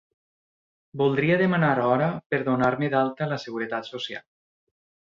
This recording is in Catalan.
Voldria demanar hora per donar-me d'alta a la seguretat social.